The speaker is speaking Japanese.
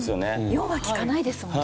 ４は聞かないですもんね。